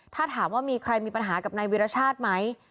ถ้าถามว่ามีใครมีปัญหากับนายวิรชาติไหม